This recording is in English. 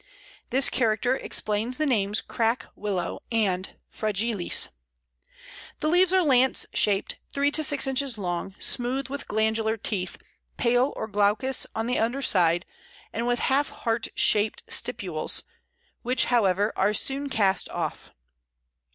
This character explains the names Crack Willow and fragilis. The leaves are lance shaped, three to six inches long, smooth, with glandular teeth, pale or glaucous on the underside, and with half heart shaped stipules, which, however, are soon cast off.